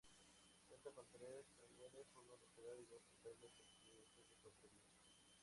Cuenta con tres andenes, uno lateral y dos centrales, al que acceden cuatro vías.